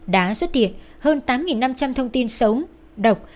đã xuất hiện hơn tám năm trăm linh thông tin xấu độc